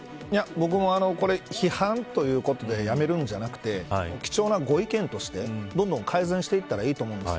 僕もこれ、批判ということでやめるんじゃなくて貴重なご意見としてどんどん改善していったらいいと思うんです。